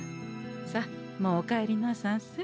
さあもうお帰りなさんせ。